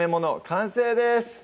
完成です